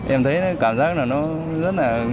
em thấy cảm giác nó rất là